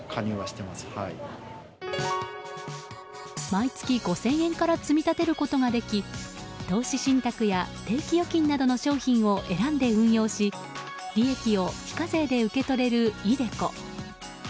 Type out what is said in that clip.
毎月５０００円から積み立てることができ投資信託や定期預金などの商品を選んで運用し利益を非課税で受け取れるｉＤｅＣｏ。